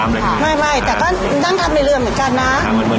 นี่ไม่แต่ก็ที่ถ้าง่ายเป็นเรื่องเหมือนกันนะ